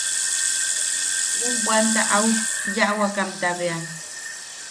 Ujbwanta au yaʼawakamta bea.